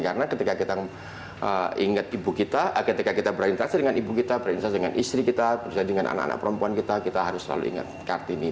karena ketika kita ingat ibu kita ketika kita berinteraksi dengan ibu kita berinteraksi dengan istri kita berinteraksi dengan anak anak perempuan kita kita harus selalu ingat kartini